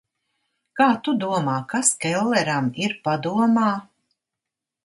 Kā tu domā, kas Kelleram ir padomā?